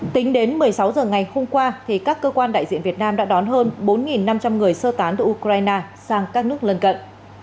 tính đến một mươi sáu h ngày hôm qua các cơ quan đại diện việt nam đã đón hơn bốn năm trăm linh người sơ tán từ ukraine sang các nước lân cận